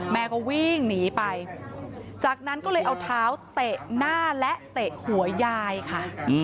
แม่ก็วิ่งหนีไปจากนั้นก็เลยเอาเท้าเตะหน้าและเตะหัวยายค่ะ